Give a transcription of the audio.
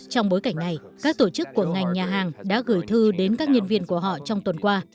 trong bối cảnh này các tổ chức của ngành nhà hàng đã gửi thư đến các nhân viên của họ trong tuần qua